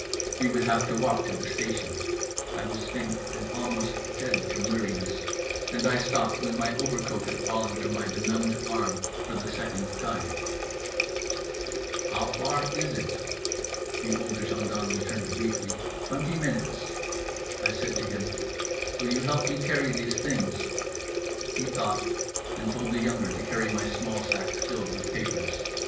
We would have to walk to the station. I was faint and almost dead from weariness and I stopped when my overcoat had fallen from my benumbed arm for the second time: "How far is it?" The older gendarme returned briefly, "Twenty minutes." I said to him: "Will you help me carry these things?" He thought, and told the younger to carry my small sack filled with papers.